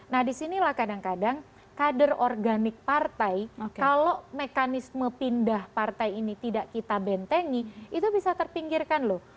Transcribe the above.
nah disinilah kadang kadang kader organik partai kalau mekanisme pindah partai ini tidak kita bentengi itu bisa terpinggirkan loh